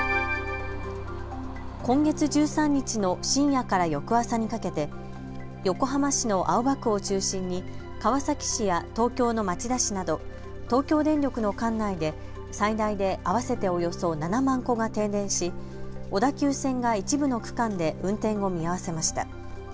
今月１３日の深夜から翌朝にかけて横浜市の青葉区を中心に川崎市や東京の町田市など東京電力の管内で最大で合わせておよそ７万戸が停電し小田急線が一部の区間で運転を見合わせました。